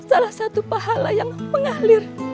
salah satu pahala yang mengalir